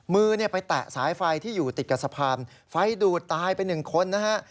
มือเนี่ยไปแตะสายไฟที่อยู่ติดกับสะพานไฟดูดตายไปหนึ่งคนนะฮะ